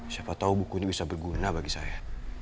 siapa tahu buku ini bisa berguna bagi saya